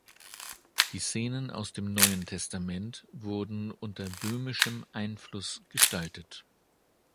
Die Szenen aus dem Neuen Testament wurden unter böhmischem Einfluss gestaltet.